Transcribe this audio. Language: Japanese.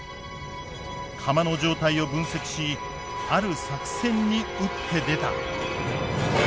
釜の状態を分析しある作戦に打って出た。